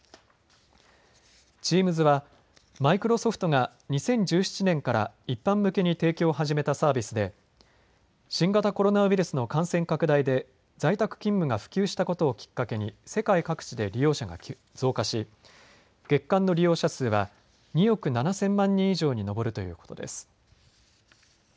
チームズはマイクロソフトが２０１７年から一般向けに提供を始めたサービスで新型コロナウイルスの感染拡大で在宅勤務が普及したことをきっかけに世界各地で利用者が増加し月間の利用者数は２億７０００万人以上に上るということです。